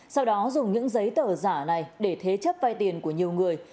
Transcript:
sau đó dùng những giấy tờ giả này để thế chấp vay tiền của nhiều người